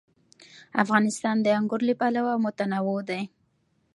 افغانستان د انګور له پلوه متنوع دی.